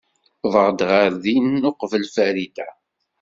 Uwḍeɣ ɣer din uqbel Farida.